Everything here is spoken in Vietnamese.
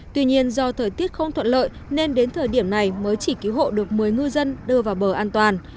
tuy nhiên do thời tiết không thuận lợi nên đến thời điểm này mới chỉ cứu hộ được một mươi ngư dân đưa vào bờ an toàn